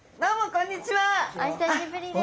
お久しぶりです。